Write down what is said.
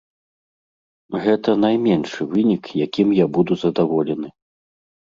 Гэта найменшы вынік, якім я буду задаволены.